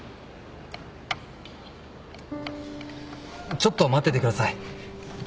ちょっと待っててください。